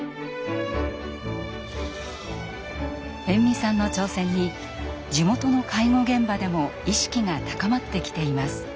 延味さんの挑戦に地元の介護現場でも意識が高まってきています。